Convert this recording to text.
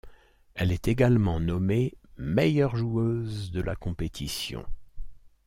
Elle est également nommée meilleure joueuse de la compétition.